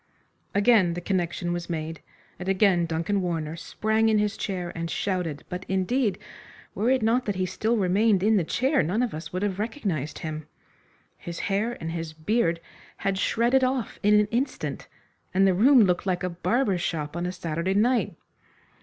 Again the connection was made, and again Duncan Warner sprang in his chair and shouted, but, indeed, were it not that he still remained in the chair none of us would have recognised him. His hair and his beard had shredded off in an instant, and the room looked like a barber's shop on a Saturday night.